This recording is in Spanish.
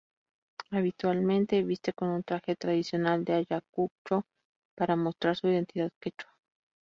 Habitualmente viste con un traje tradicional de Ayacucho para mostrar su identidad quechua.